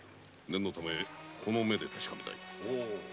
念のためこの目で確かめたい。